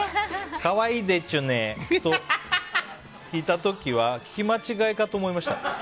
可愛いでちゅねと聞いた時は聞き間違いかと思いました。